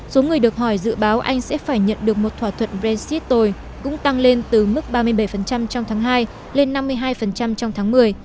số người được hỏi dự báo anh sẽ phải nhận bình